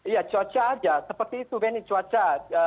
ya cuaca saja seperti itu benny cuaca